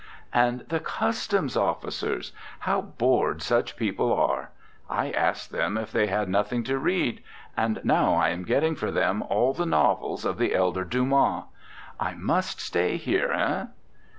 "And the customs officers! How bored such people are! I asked them if they had nothing to read, and now I am getting for them all the novels of the elder Dumas. 1 must stay here, eh?